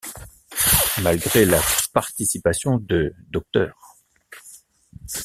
Malgré la participation de Dr.